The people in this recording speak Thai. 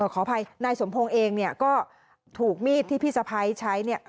ขออภัยนายสมพงเองก็ถูกมีดที่พี่สะพ้ายใช้